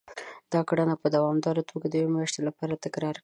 دا کړنه په دوامداره توګه د يوې مياشتې لپاره تکرار کړئ.